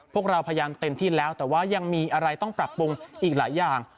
พวกเราพยายามเต็มที่แล้วแต่ว่ายังมีอะไรต้องปรับปรุงอีกหลายอย่าง